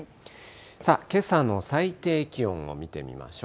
さあ、けさの最低気温を見てみましょう。